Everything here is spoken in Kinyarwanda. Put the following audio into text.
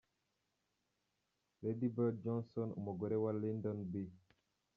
Lady Bird Johnson, umugore wa Lyndon B.